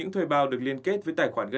thuê bao điện thoại